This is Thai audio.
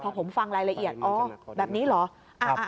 พอผมฟังรายละเอียดอ๋อแบบนี้เหรอ